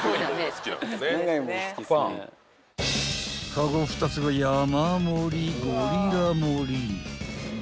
［カゴ２つが山盛りゴリラ盛り］